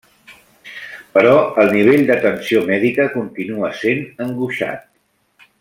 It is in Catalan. Però el nivell d'atenció mèdica continua sent angoixat.